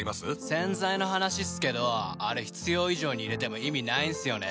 洗剤の話っすけどあれ必要以上に入れても意味ないんすよね。